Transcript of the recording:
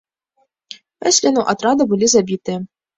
Пяць членаў атрада былі забітыя.